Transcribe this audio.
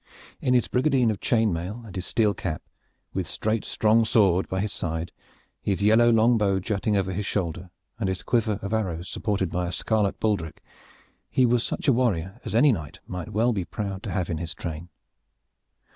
In his brigandine of chain mail and his steel cap, with straight strong sword by his side, his yellow long bow jutting over his shoulder, and his quiver of arrows supported by a scarlet baldric, he was such a warrior as any knight might well be proud to have in his train.